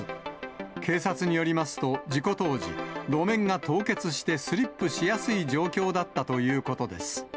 警察によりますと、事故当時、路面が凍結して、スリップしやすい状況だったということです。